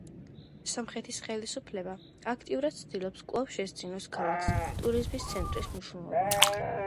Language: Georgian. სომხეთის ხელისუფლება აქტიურად ცდილობს კვლავ შესძინოს ქალაქს ტურიზმის ცენტრის მნიშვნელობა.